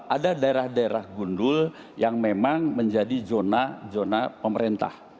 ada daerah daerah gundul yang memang menjadi zona zona pemerintah